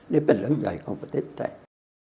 นี่เป็นเรื่องใหญ่ของประเทศไทย